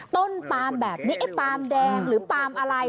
ต้นปลามแบบนี้ปลามแดงหรือปลามอะไร